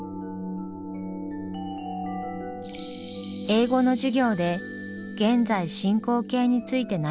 英語の授業で現在進行形について習ったイコ。